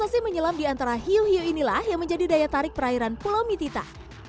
nasi menyelam di antara hiu hiu inilah yang menjadi daya tarik perairan pulau mitita